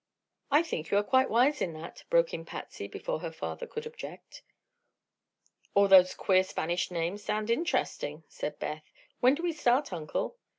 "I think you are quite wise in that," broke in Patsy, before her father could object. "All those queer Spanish names sound interesting," said Beth. "When do we start, Uncle?"